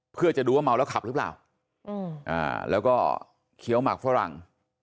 เพื่อจะดูว่าเมาแล้วขับหรือเปล่าแล้วก็เคี้ยวหมากฝรั่ง